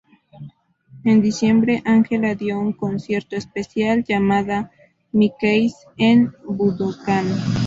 En diciembre, Angela dio un concierto especial, llamado My Keys, en Budokan.